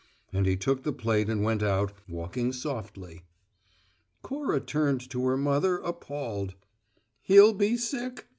And he took the plate and went out, walking softly. Cora turned to her mother, appalled. "He'll be sick!"